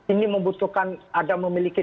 ini membutuhkan ada memiliki